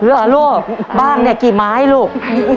เหรอลูกบ้านเนี่ยกี่ไม้ลูก